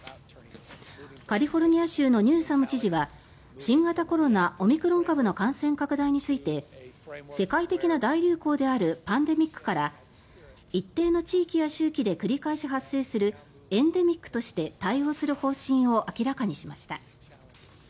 カリフォルニア州のニューサム知事は新型コロナオミクロン株の感染拡大について世界的な大流行であるパンデミックから一定の地域や周期で繰り返し発生するエンデミックとして対応する方針を明らかにしました。